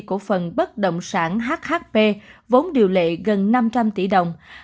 cổ phần bất động sản hhp vốn điều lệ gần năm trăm linh tỷ đồng